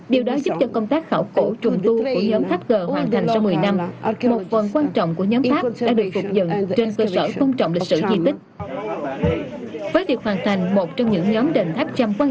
điều đó giúp cho công tác khảo cổ trùng tu của nhóm tháp g hoàn thành sau một mươi năm